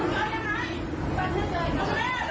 สวัสดีทุกคน